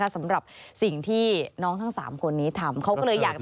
สำหรับสิ่งที่น้องทั้ง๓คนนี้ทำ